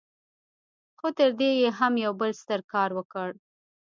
خو تر دې يې هم يو بل ستر کار وکړ.